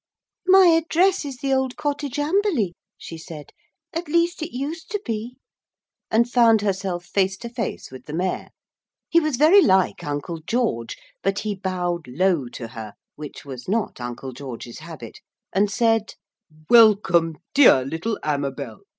'My address is The Old Cottage, Amberley,' she said, 'at least it used to be' and found herself face to face with the Mayor. He was very like Uncle George, but he bowed low to her, which was not Uncle George's habit, and said: 'Welcome, dear little Amabel.